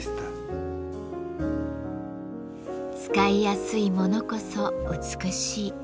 使いやすいものこそ美しい。